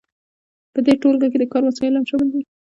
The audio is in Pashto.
په دې ټولګه کې د کار وسایل هم شامل دي.